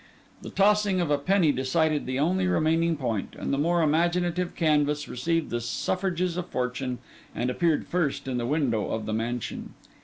The tossing of a penny decided the only remaining point; and the more imaginative canvas received the suffrages of fortune, and appeared first in the window of the mansion.